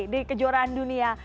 di kejuaraan dunia